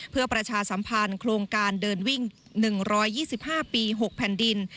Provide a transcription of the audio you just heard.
เพื่อประชาสัมพันธ์โครงการเดินวิ่ง๑๒๕ปี๖แผ่นดิน